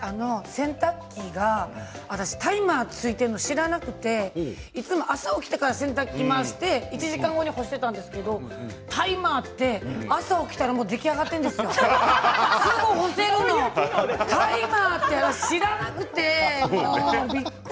洗濯機にタイマーついているのを知らなくて朝起きてから洗濯回して１時間後に干していたんですけれど、タイマーって朝起きたら出来上がっているんですよ、すぐ干せるのタイマーって知らなくて。